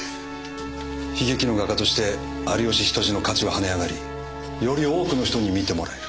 悲劇の画家として有吉比登治の価値は跳ね上がりより多くの人に見てもらえる。